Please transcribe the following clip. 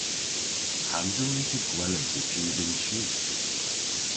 Pandr'a wre'ta gweles a-ji dhe'n chi?